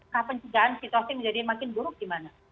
kepenjagaan situasi menjadi makin buruk gimana